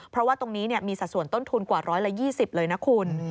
เพราะว่าตรงนี้มีสัดส่วนต้นทุนกว่า๑๒๐เลยนะคุณ